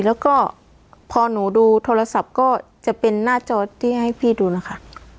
แล้วก็พอหนูดูโทรศัพท์ก็จะเป็นหน้าจอที่ให้พี่ดูนะคะ